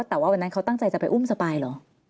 แต่ว่าวันนั้นเขาตั้งใจจะไปอุ้มสปายเหรอ